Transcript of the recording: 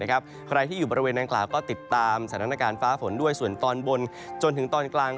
ใครที่อยู่บริเวณนางกล่าวก็ติดตามสถานการณ์ฟ้าฝนด้วยส่วนตอนบนจนถึงตอนกลาง